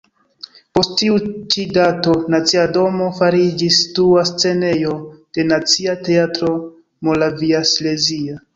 Post tiu ĉi dato Nacia domo fariĝis dua scenejo de Nacia teatro moraviasilezia.